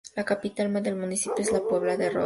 La capital del municipio es La Puebla de Roda.